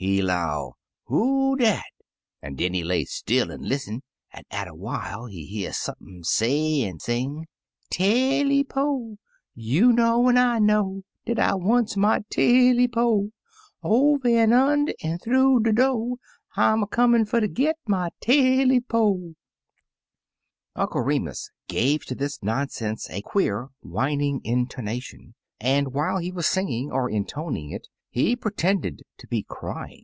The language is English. He *low, *Who dat?* an* den he lay still an* lis sen, an* atter while he hear sump* tf say an* sing— " *Taily po! You know an' I know Dat I wants my Taily po! Over an* under an* thoo de do', I'm a comin' fer ter git my Taily po! '" Uncle Remus gave to this nonsense a queer, whining intonation, and while he was singing, or intoning it, he pretended to be crjdng.